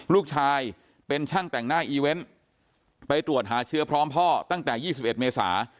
ลูกชายเป็นช่างแต่งหน้าอีเวนต์ไปตรวจหาเชื้อพร้อมพ่อตั้งแต่๒๑เมษา